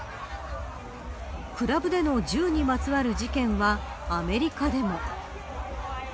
クラブでの銃にまつわる事件はアメリカでも。